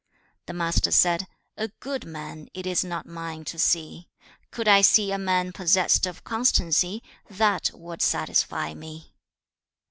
2. The Master said, 'A good man it is not mine to see; could I see a man possessed of constancy, that would satisfy me.